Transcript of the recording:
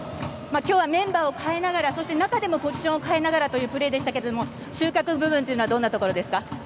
今日はメンバーを変えながらも中でもポジションを変えながらというプレーでしたが収穫部分はどんなところですか。